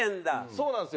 そうなんですよ。